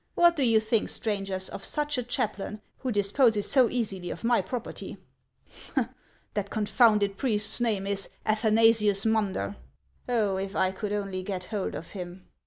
What do you think, strangers, of such a chaplain, who disposes so easily of my property? That confounded priest's name is Athanasius Munder. Oh, if I could only get hold of him